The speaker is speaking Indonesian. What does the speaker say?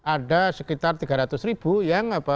ada sekitar tiga ratus ribu yang